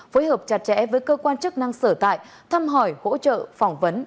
phối hợp chặt chẽ với cơ quan chức năng sở tại thăm hỏi hỗ trợ phỏng vấn